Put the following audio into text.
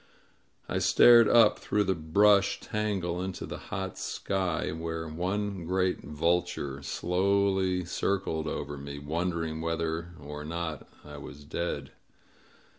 I stared up through the brush tangle into the hot sky, where one great vulture slowly circled over me, wondering whether or not I was dead.